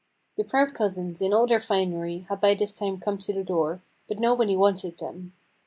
The proud cousins, in all their finery, had by this time come to the door, but nobody wanted them.